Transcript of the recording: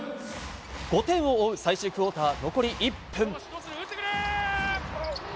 ５点を追う最終クオーター、残り１分。